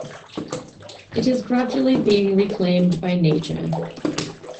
It is gradually being reclaimed by nature.